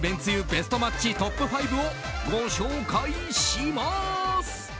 ベストマッチトップ５をご紹介します。